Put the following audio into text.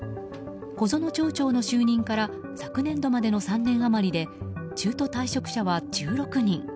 小園町長の就任から昨年度までの３年余りで中途退職者は１６人。